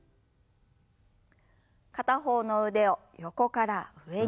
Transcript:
片方の腕を横から上に。